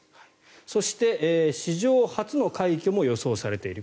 そして、史上初の快挙も予想されている。